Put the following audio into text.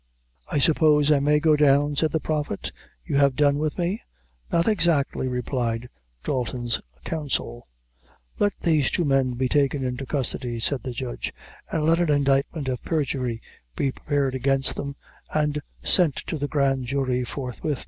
"I suppose I may go down," said the Prophet, "you have done with me?" "Not exactly," replied Dalton's counsel. "Let these two men be taken into custody," said the judge, "and let an indictment for perjury be prepared against them, and sent to the grand jury forthwith."